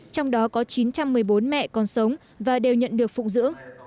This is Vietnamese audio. trong đó có chín trăm một mươi bốn mẹ còn sống và đều nhận được phụng dưỡng